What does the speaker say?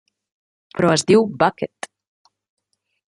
Però es diu Bucket.